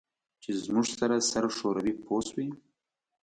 چې زموږ سره سر ښوروي پوه شوې!.